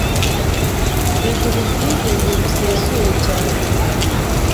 biguha ubwigenge busesuye cyane